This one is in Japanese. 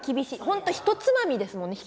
本当ひとつまみですもんね。